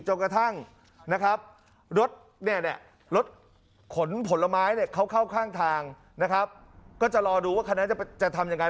จนกระทั่งนะครับรถเนี่ยรถขนผลไม้เนี่ยเขาเข้าข้างทางนะครับก็จะรอดูว่าคันนั้นจะทำยังไง